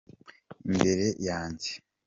imbere yanjye.